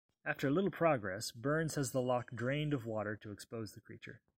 After little progress, Burns has the loch drained of water to expose the creature.